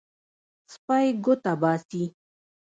سپی ګوته باسي.